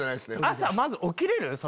朝まず起きれる？